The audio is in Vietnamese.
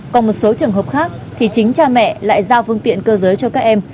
còn một số trường hợp khác thì chính cha mẹ lại giao phương tiện cơ giới cho các em